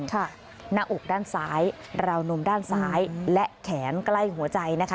หน้าอกด้านซ้ายราวนมด้านซ้ายและแขนใกล้หัวใจนะคะ